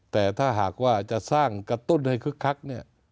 แต่ถ้าหากว่าจะสร้างกระตุ้นให้คึกคักเนี่ย